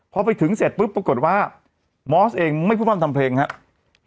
พอไปถึงเสร็จปุ๊บปรากฏว่ามอสเองไม่พูดพร่ำทำเพลงครับ